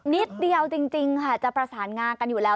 นิดเดียวจริงค่ะจะประสานงากันอยู่แล้ว